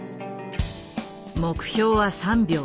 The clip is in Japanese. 目標は３秒。